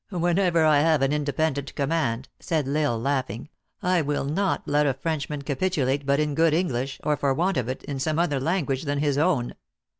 Whenever I have an inde pendent command," said L Isle laughing, " I will not let a Frenchman capitulate but in good English, or for want of it, in some other language than his own.